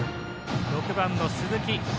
６番の鈴木。